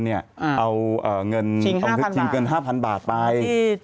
เอาเงินชิง๕๐๐๐บาทไป